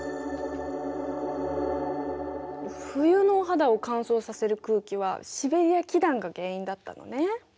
冬のお肌を乾燥させる空気はシベリア気団が原因だったのね。